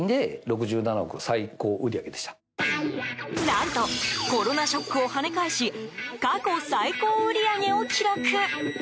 何とコロナショックを跳ね返し過去最高売り上げを記録！